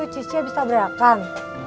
cici abis tabrakan